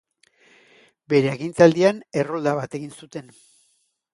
Bere agintaldian errolda bat egin zuten.